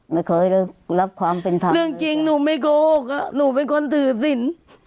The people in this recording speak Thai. ไม่เคยได้รับความเป็นธรรมเรื่องจริงหนูไม่โกหกหนูเป็นคนถือสิน